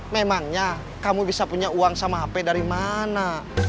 memangnya kamu bisa punya uang sama hp dari mana